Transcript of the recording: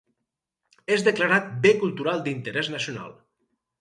És declarat Bé Cultural d'Interès Nacional.